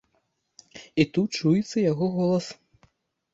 І тут чуецца яго голас.